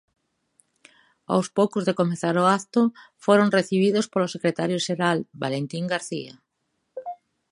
Aos poucos de comezar o acto, foron recibidos polo secretario xeral, Valentín García.